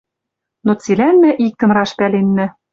Но цилӓн мӓ иктӹм раш пӓленнӓ: